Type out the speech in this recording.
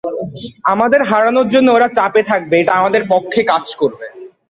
আমাদের হারানোর জন্য ওরা চাপে থাকবে, এটা আমাদের পক্ষে কাজ করতে পারে।